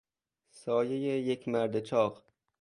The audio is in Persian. سایهی یک مرد چاق